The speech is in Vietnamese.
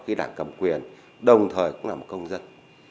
khi đảng cầm quyền đồng thời cũng là một công dân